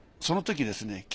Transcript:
そのときですね